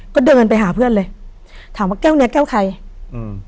ก็เดินไปหาเพื่อนเลยถามว่าแก้วเนี้ยแก้วใครอืม